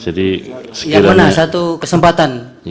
ya pernah satu kesempatan